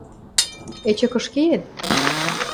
Эче кыш кеет?